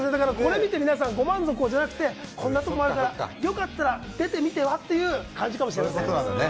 これを見てご満足をじゃなくて、こんなところがあるから、よかったら出てみては？という感じかもしれません。